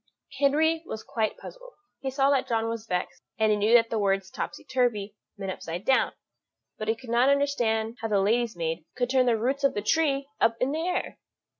Henry was quite puzzled; he saw that John was vexed, and he knew that the words topsy turvy meant upside down; but he could not understand how the lady's maid could turn the roots of the trees up in the air.